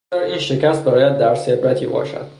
بگذار این شکست برایت درس عبرت باشد!